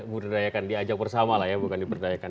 diberdayakan diajak bersama lah ya bukan diberdayakan